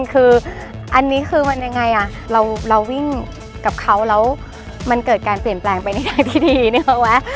คืออันนี้คือมันยังไงอ่ะเราวิ่งกับเขาแล้วมันเกิดการเปลี่ยนแปลงไปในทางที่ดีนึกออกไหม